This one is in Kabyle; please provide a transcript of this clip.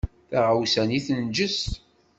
Taɣawsa-nni tenǧes.